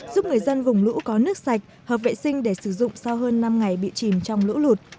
giúp người dân vùng lũ có nước sạch hợp vệ sinh để sử dụng sau hơn năm ngày bị chìm trong lũ lụt